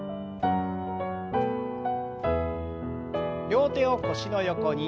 両手を腰の横に。